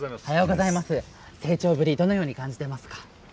成長ぶりどのように感じていますか？